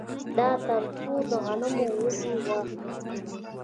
دا تر څو د غنمو وږي واخلم